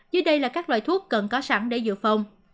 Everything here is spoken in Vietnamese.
dưới đây là các loại thuốc cần có sẵn để dự phòng